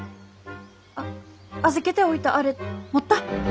あっ預けておいたアレ持った？